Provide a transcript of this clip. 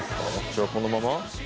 じゃあこのまま？